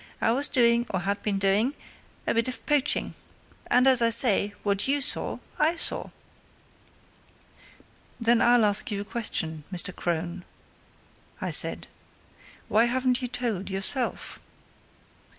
I was doing or had been doing a bit of poaching. And, as I say, what you saw, I saw!" "Then I'll ask you a question, Mr. Crone," I said. "Why haven't you told, yourself?"